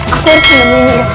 aku harus menemui nyi imas